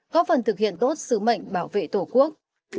có phần thực hiện tốt sứ mệnh bảo vệ tổ quốc